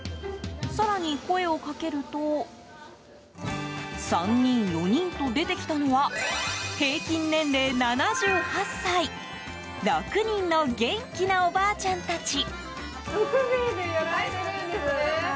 更に声をかけると３人、４人と出てきたのは平均年齢７８歳６人の元気なおばあちゃんたち。